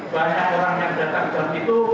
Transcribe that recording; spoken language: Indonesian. banyak orang yang datang ke tempat itu